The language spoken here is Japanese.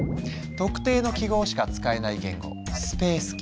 特定の記号しか使えない言語「スペースキー」。